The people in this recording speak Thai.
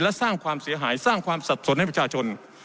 และสร้างความเสียหายสร้างความสับสนให้ประชาชน